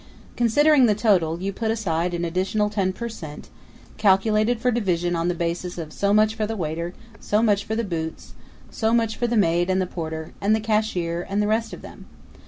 Considering the total, you put aside an additional ten per cent, calculated for division on the basis of so much for the waiter, so much for the boots, so much for the maid and the porter, and the cashier, and the rest of them.